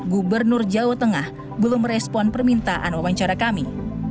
gubernur jawa tengah belum merespon permintaan wawancara kami